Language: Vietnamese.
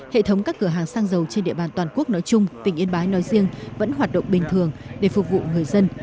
hệ thống các cửa hàng xăng dầu trên địa bàn toàn quốc nói chung tỉnh yên bái nói riêng vẫn hoạt động bình thường để phục vụ người dân